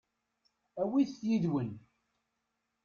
Awit-t yid-wen.